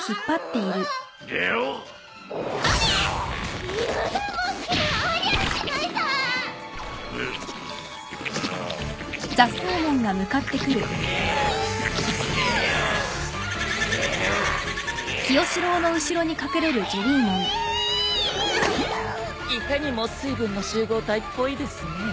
いかにも水分の集合体っぽいですね。